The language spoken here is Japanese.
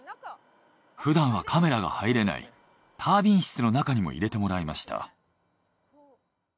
ふだんはカメラが入れないタービン室の中にも入れてもらいました。